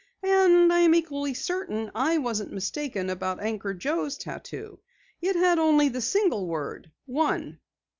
"And I'm equally certain I wasn't mistaken about Anchor Joe's tattoo. It had only the single word, 'One.'"